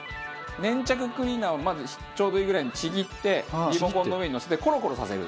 粘着クリーナーをまずちょうどいいぐらいにちぎってリモコンの上にのせてコロコロさせる。